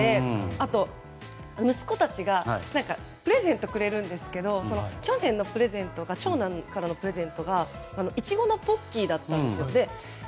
あと、息子たちがプレゼントをくれるんですが去年の長男からのプレゼントがイチゴのポッキーだったんですよ。